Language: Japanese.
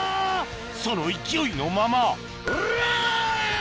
その勢いのままおりゃ！